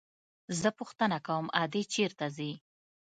زه پوښتنه کوم ادې چېرته ځي.